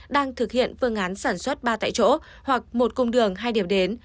đang thực hiện phương án sản xuất ba tại chỗ hoặc một cung đường hai điểm đến